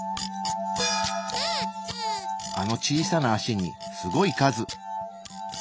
あの小さな足にすごい数！